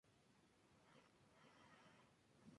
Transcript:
Las barras pueden orientarse horizontal o verticalmente.